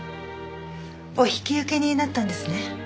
お引き受けになったんですね？